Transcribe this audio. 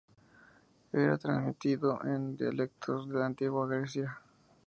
Era transmitido en dialectos de la Antigua Grecia.